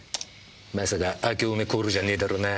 まさかあけおめコールじゃねぇだろうな。